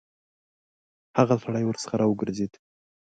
هغه سړی ورڅخه راوګرځېد.